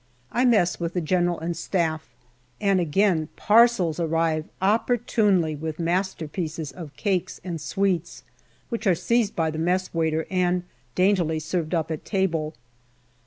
I mess with the General and Staff, and again parcels arrive opportunely with master pieces of cakes and sweets, which are seized by the mess waiter and daintily served up at table.